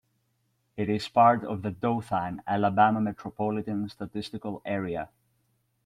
It is part of the Dothan, Alabama Metropolitan Statistical Area.